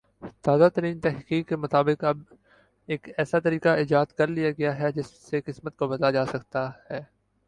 تازہ ترین تحقیق کے مطابق اب ایک ایسا طریقہ ایجاد کر لیا گیا ہے جس سے قسمت کو بدلہ جاسکتا ہے